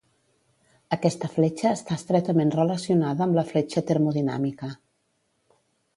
Aquesta fletxa està estretament relacionada amb la fletxa termodinàmica.